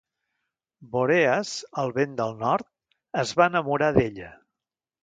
Boreas, el vent del nord, es va enamorar d'ella.